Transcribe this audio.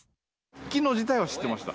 機能自体は知ってました。